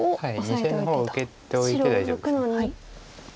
２線の方を受けておいて大丈夫です。